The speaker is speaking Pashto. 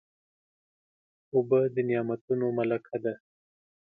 اوبه د نعمتونو ملکه ده.